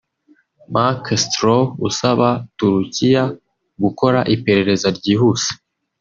Mark Stroh usaba Turukiya gukora iperereza ryihuse